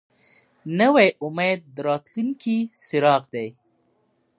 نوی امید د راتلونکي څراغ دی